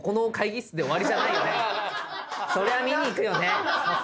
そりゃあ見に行くよね。